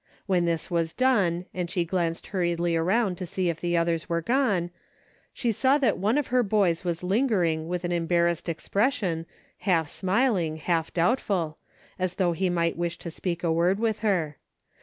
When this w^as done and she glanced hurriedly round to see if the others w^ere gone, she saw that one of her boys was lingering with an embarrassed ex pression, half smiling, half doubtful, as though he might wish to speak a word with her.